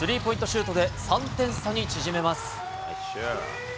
シュートで３点差に縮めます。